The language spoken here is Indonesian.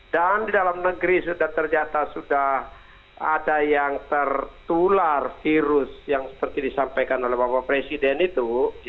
dan di dalam negeri sudah terdata sudah ada yang tertular virus yang seperti disampaikan oleh bapak presiden itu